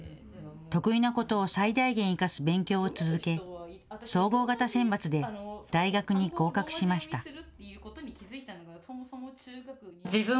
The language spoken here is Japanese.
得意なことを最大限生かす勉強を続け、総合型選抜で大学に合格しました。